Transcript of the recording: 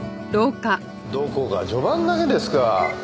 どこが序盤だけですか。